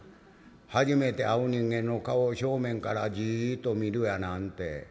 初めて会う人間の顔を正面からジッと見るやなんて。